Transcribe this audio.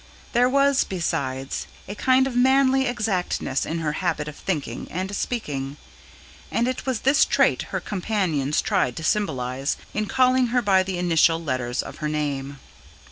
There was, besides, a kind of manly exactness in her habit of thinking and speaking; and it was this trait her companions tried to symbolise, in calling her by the initial letters of her name.